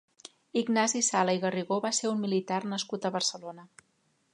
Ignasi Sala i Garrigó va ser un militar nascut a Barcelona.